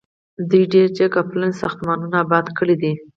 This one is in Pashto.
دوی ډیر جګ او پلن ساختمانونه اباد کړي دي.